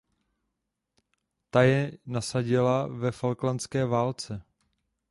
Ta je nasadila ve falklandské válce.